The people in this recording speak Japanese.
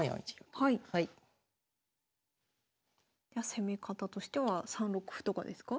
攻め方としては３六歩とかですか？